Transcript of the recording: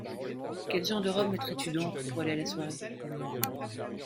Quelle genre de robe mettrais-tu donc pour aller à la soirée ?